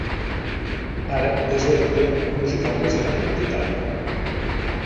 Ara és l'editor musical més gran d'Itàlia.